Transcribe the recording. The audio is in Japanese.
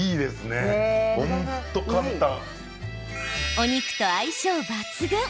お肉と相性抜群。